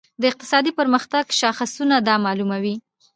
د اقتصادي پرمختګ شاخصونه دا معلوموي.